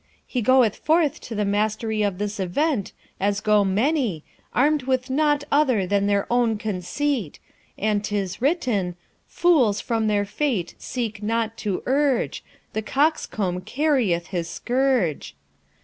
He goeth forth to the mastery of this Event as go many, armed with nought other than their own conceit: and 'tis written: "Fools from their fate seek not to urge: The coxcomb carrieth his scourge."'